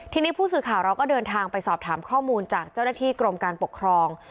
ทีนี้ผู้สื่อข่าวเราก็เดินทางไปสอบถามข้อมูลจากเจ้าหน้าที่กรมการปกครอง